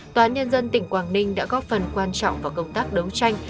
tòa án nhân dân tỉnh quảng ninh đã góp phần quan trọng vào công tác đấu tranh